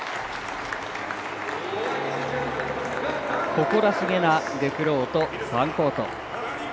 誇らしげなデフロート、ファンコート。